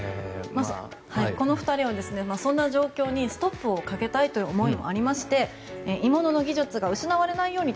この２人はそんな状況にストップをかけたい思いもあって鋳物の技術が失われないように